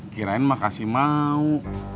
kirain makasih mau